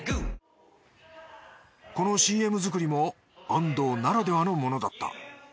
このＣＭ作りも安藤ならではのものだった。